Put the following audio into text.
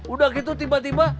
udah gitu tiba tiba